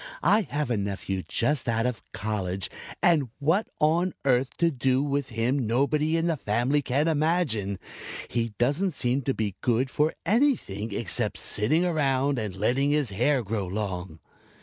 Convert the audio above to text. I have a nephew just out of college and what on earth to do with him nobody in the family can imagine. He doesn't seem to be good for anything except sitting around and letting his hair grow long."